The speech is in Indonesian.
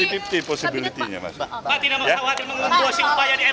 pak tidak mau sawat mengumpul si kepala di mk pak